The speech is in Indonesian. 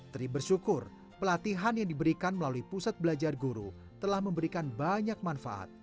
tri bersyukur pelatihan yang diberikan melalui pusat belajar guru telah memberikan banyak manfaat